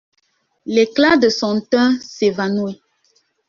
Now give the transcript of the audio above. L'éclat de son teint s'évanouit.